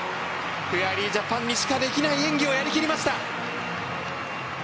フェアリージャパンにしかできない演技をやり切りました。